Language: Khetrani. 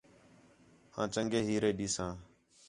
آن چَنڳے ہیرے ݙیساں